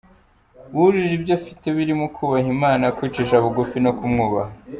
wujuje ibyo afite birimo kubaha Imana, kwicisha ubugufi no kumwubaha.